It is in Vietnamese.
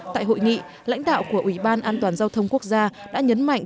tại hội nghị lãnh đạo của ủy ban an toàn giao thông quốc gia đã nhấn mạnh